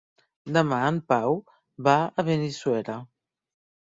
Demà en Pau va a Benissuera.